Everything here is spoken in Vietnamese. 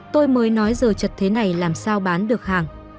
tôi mới nói giờ chật thế này làm sao bán được hàng